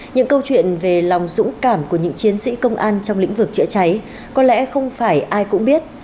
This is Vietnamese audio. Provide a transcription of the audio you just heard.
những câu chuyện về lòng dũng cảm của những chiến sĩ công an trong lĩnh vực chữa cháy có lẽ không phải ai cũng biết